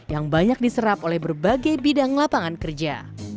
yang banyak diserap oleh berbagai bidang lapangan kerja